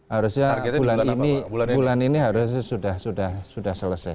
harusnya bulan ini harusnya sudah selesai